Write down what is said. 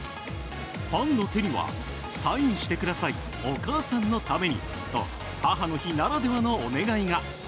ファンの手にはサインしてくださいお母さんのためにと母の日ならではのお願いが。